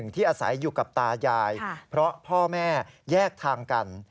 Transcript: ที่อาศัยอยู่กับตายายเพราะพ่อแม่แยกทางกัน